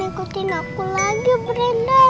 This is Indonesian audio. ikutin aku lagi brenda